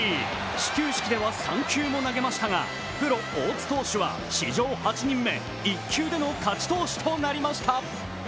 始球式では３球も投げましたがプロ・大津投手は史上８人目１球での勝ち投手となりました。